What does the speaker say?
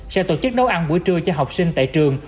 sẽ tổ chức nấu ăn buổi trưa cho học sinh tại trường